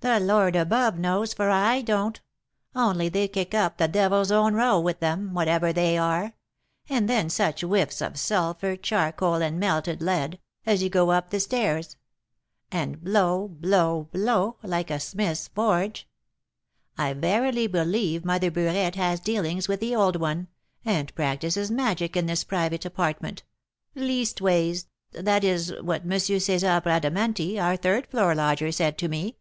"The Lord above knows, for I don't; only they kick up the devil's own row with them, whatever they are. And then such whiffs of sulphur, charcoal, and melted lead, as you go up the stairs; and blow, blow, blow, like a smith's forge. I verily believe Mother Burette has dealings with the old one, and practises magic in this private apartment; leastways, that is what M. César Bradamanti, our third floor lodger, said to me.